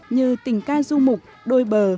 như tình ca du mục đôi bờ